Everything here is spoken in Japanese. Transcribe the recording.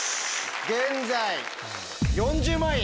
現在４０万円。